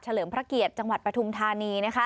เลิมพระเกียรติจังหวัดปฐุมธานี